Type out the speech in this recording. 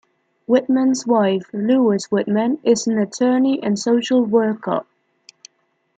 Whitman's wife, Lois Whitman, is an attorney and social worker.